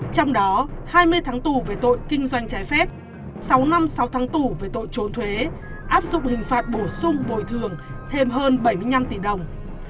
trong đó hai mươi tháng tù về tội kinh doanh trái phép sáu năm sáu tháng tù về tội trốn thuế áp dụng hình phạt bổ sung bồi thường thêm hơn bảy mươi năm tỷ đồng